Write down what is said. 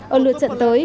ở lượt trận tới